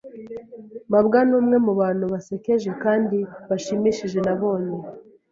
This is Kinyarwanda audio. mabwa numwe mubantu basekeje kandi bashimishije nabonye.